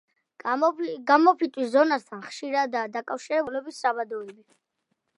გამოფიტვის ზონასთან ხშირადაა დაკავშირებული სასარგებლო წიაღისეულის საბადოები.